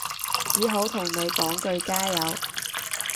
只好同你講句加油